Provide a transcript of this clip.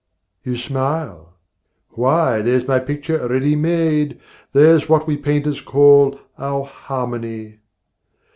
You smile? why, there's my picture ready made, There's what we painters call our harmony!